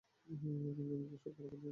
নতুন একটা শূকর কিনে নিন।